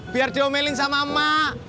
biar diomelin sama mak